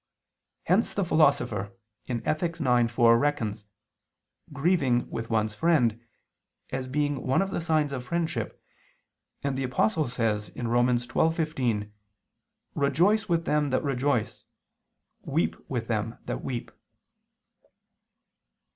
Hence the Philosopher (Ethic. ix, 4) reckons "grieving with one's friend" as being one of the signs of friendship, and the Apostle says (Rom. 12:15): "Rejoice with them that rejoice, weep with them that weep."